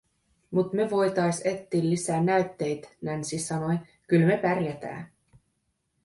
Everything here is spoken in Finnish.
"Mut me voitais ettii lisää näytteit", Nancy sanoi, "kyl me pärjätää".